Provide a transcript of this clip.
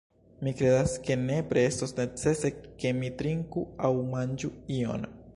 Mi kredas ke nepre estos necese ke mi trinku aŭ manĝu ion.